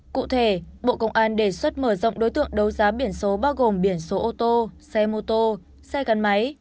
cụ thể bộ công an đề xuất mở rộng đối tượng đấu giá biển số bao gồm biển số ô tô xe mô tô xe gắn máy